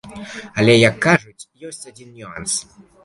Але, як кажуць, ёсць адзін нюанс.